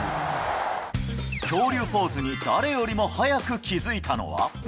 恐竜ポーズに誰よりも早く気付いたのは。